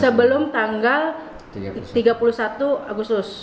sebelum tanggal tiga puluh satu agustus